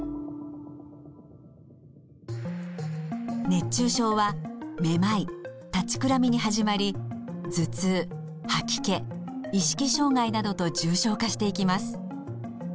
熱中症はめまい立ちくらみに始まり頭痛吐き気意識障害などと重症化していきます。